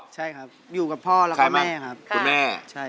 ใช่ครับอยู่กับพ่อแล้วก็แม่ครับ